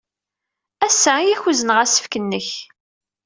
Ass-a ay ak-uzneɣ asefk-nnek!